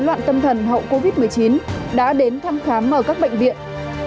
loạn tâm thần hậu covid một mươi chín đã đến thăm khám ở các bệnh viện